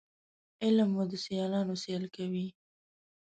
علم مو د سیالانو سیال کوي